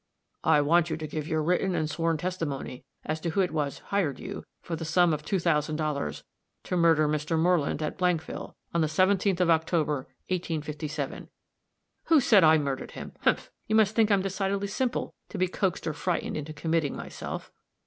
"I want you to give your written and sworn testimony as to who it was hired you, for the sum of two thousand dollars, to murder Mr. Moreland, at Blankville, on the 17th of October, 1857." "Who said I murdered him? Humph! you must think I'm decidedly simple to be coaxed or frightened into committing myself."